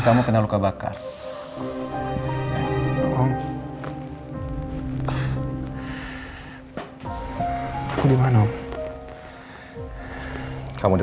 kamu itu gak punya bukti